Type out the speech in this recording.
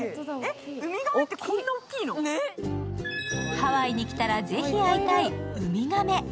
ハワイに来たら、ぜひ会いたいウミガメ。